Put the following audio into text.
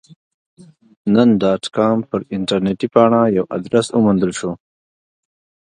نن ډاټ کام پر انټرنیټي پاڼه یو ادرس وموندل شو.